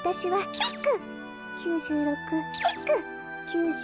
ヒック。